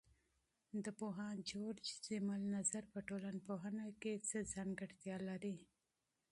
د پوهاند جورج زیمل نظر په ټولنپوهنه کې څه ځانګړتیا لري؟